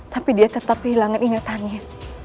tapi dia tetap kehilangan ingatannya